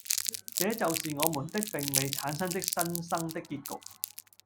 這就是我們的並未產生的《新生》的結局。